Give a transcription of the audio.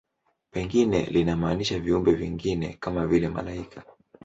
Pengine linamaanisha viumbe vingine, kama vile malaika.